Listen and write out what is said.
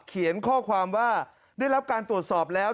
เขียนข้อความว่าได้รับการตรวจสอบแล้ว